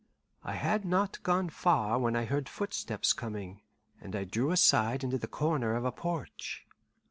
I had not gone far when I heard footsteps coming, and I drew aside into the corner of a porch.